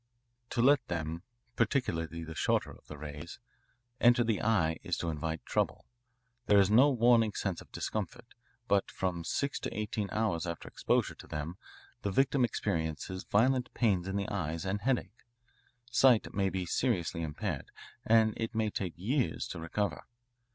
To let them =20 particularly the shorter of the rays enter the eye is to invite trouble. There is no warning sense of discomfort, but from six to eighteen hours after exposure to them the victim experiences violent pains in the eyes and headache. Sight may be seriously impaired, and it may take years to recover.